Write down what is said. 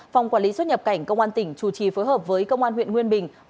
phòng quản lý xuất nhập cảnh công an tỉnh chủ trì phối hợp với công an huyện nguyên bình